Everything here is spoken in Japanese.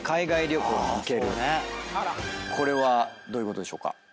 これはどういうことでしょうか？